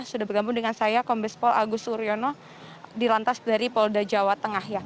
sudah bergabung dengan saya kombespol agus uryono dilantas dari polda jawa tengah